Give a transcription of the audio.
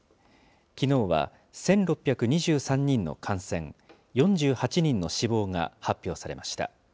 きのうは１６２３人の感染、４８人の死亡が発表されました。